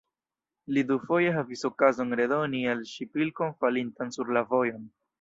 Li dufoje havis okazon redoni al ŝi pilkon falintan sur la vojon.